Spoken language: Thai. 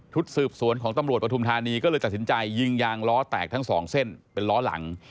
สืบสวนของตำรวจปฐุมธานีก็เลยตัดสินใจยิงยางล้อแตกทั้งสองเส้นเป็นล้อหลัง